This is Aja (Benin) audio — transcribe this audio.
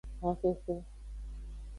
Honxoxo.